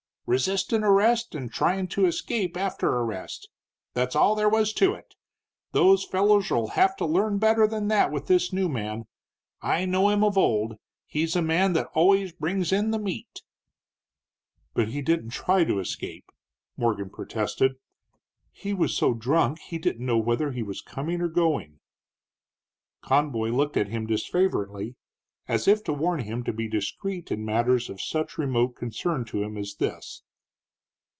"Resistin' arrest and tryin' to escape after arrest. That's all there was to it. These fellers'll have to learn better than that with this new man. I know him of old he's a man that always brings in the meat." "But he didn't try to escape," Morgan protested. "He was so drunk he didn't know whether he was coming or going." Conboy looked at him disfavoringly, as if to warn him to be discreet in matters of such remote concern to him as this.